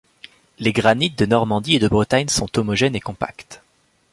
Les granits de Normandie et de Bretagne sont homogènes et compactes.